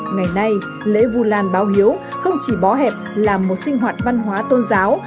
ngày nay lễ vu lan báo hiếu không chỉ bó hẹp là một sinh hoạt văn hóa tôn giáo